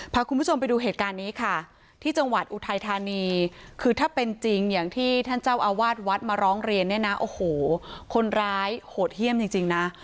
พาคุณผู้ชมไปดูเหตุการณ์นี้ค่ะที่จังหวัดอุทัยธานีคือถ้าเป็นจริงอย่างที่ท่านเจ้าอาวาสวัดมาร้องเรียนเนี่ยนะโอ้โหคนร้ายโหดเยี่ยมจริงนะ